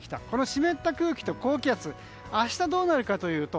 この湿った空気と高気圧明日、どうなるか。